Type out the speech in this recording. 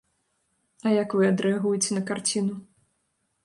А як вы адрэагуеце на карціну?